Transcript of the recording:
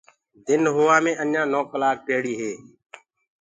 دن هووآ مي اجآنٚ نو ڪلآڪ پيڙي هي